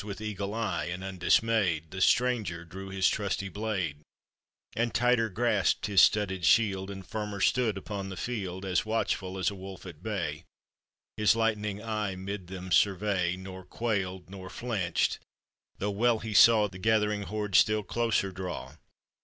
With eagle eye, and undismayed, The stranger drew his trusty blade, And tighter grasped his studded shield, And firmer stood upon the field, And watchful as a wolf at bay, His lightning eye did them survey; Nor quailed, nor flinched, tho' well he saw The gathering horde still closer draw.